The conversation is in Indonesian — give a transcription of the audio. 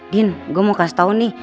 din gue mau kasih tau nih